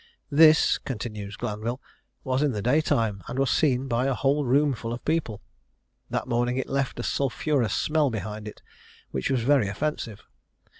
This," continues Glanvil, "was in the day time, and was seen by a whole room full of people. That morning it left a sulphurous smell behind it, which was very offensive.